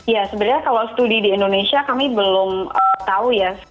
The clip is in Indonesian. ya sebenarnya kalau studi di indonesia kami belum tahu ya